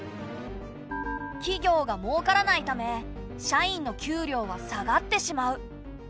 企業がもうからないため社員の給料は下がってしまう。